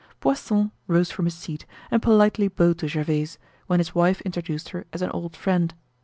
Poisson rose from his seat and politely bowed to Gervaise, when his wife introduced her as an old friend.